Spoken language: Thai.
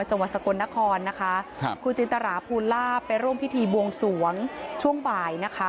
จังหวัคสกรณคลครูจินตราภูลล่าไปร่วมพิธีบวงสวงช่วงบ่าย